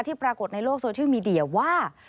ปรากฏในโลกโซเชียลมีเดียว่า